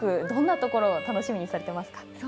どんなところを楽しみにされてますか？